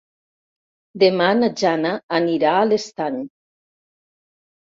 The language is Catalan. Demà na Jana anirà a l'Estany.